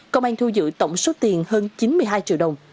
công an thu giữ tổng số tiền hơn chín mươi hai triệu đồng